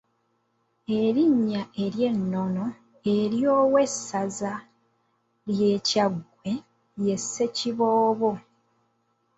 Erinnya ery’ennono ery’owessaza ly’e Kyaggwe ye Ssekiboobo.